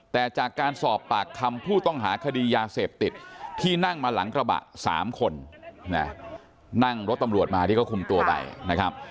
แต่จากการสอบปากคำผู้ต้องหาคดียาเสพติดที่นั่งมาหลังกระบะ๓คนนั่งรถตำรวจมาที่เขาคุมตัวไปนะครับ